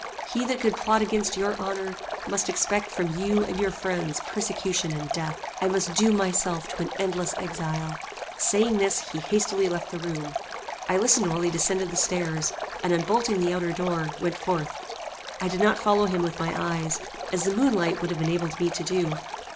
He that could plot against your honor, must expect from you and your friends persecution and death. I must doom myself to endless exile." Saying this, he hastily left the room. I listened while he descended the stairs, and, unbolting the outer door, went forth. I did not follow him with my eyes, as the moon light would have enabled me to do.